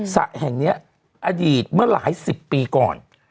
สระแห่งนี้อดีตเมื่อหลายสิบปีก่อน